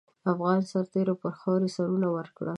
افغان سرتېرو پر خاوره سرونه ورکړل.